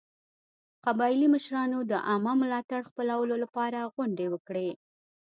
قبایلي مشرانو د عامه ملاتړ خپلولو لپاره غونډې وکړې.